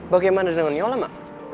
bagaimana dengan yola mak